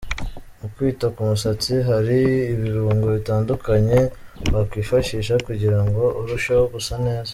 Mu kwita ku musatsi, hari ibirungo bitandukanye wakwifashisha kugira ngo urusheho gusa neza.